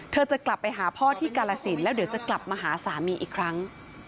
จะกลับไปหาพ่อที่กาลสินแล้วเดี๋ยวจะกลับมาหาสามีอีกครั้ง